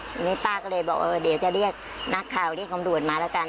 ทีนี้ป้าก็เลยบอกเออเดี๋ยวจะเรียกนักข่าวเรียกคำด่วนมาแล้วกัน